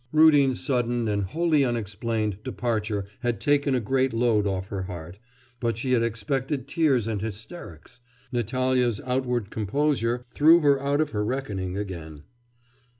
Rudin's sudden, and wholly unexplained, departure had taken a great load off her heart, but she had expected tears, and hysterics.... Natalya's outward composure threw her out of her reckoning again.